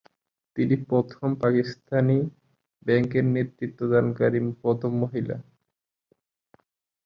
তিনি প্রথম পাকিস্তান ব্যাংকের নেতৃত্বদানকারী প্রথম মহিলা।